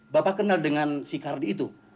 bapak kenal dengan si kardi itu